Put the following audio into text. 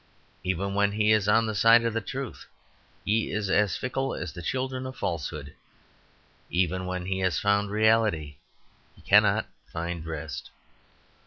Even when he is on the side of the truth he is as fickle as the children of falsehood. Even when he has found reality he cannot find rest.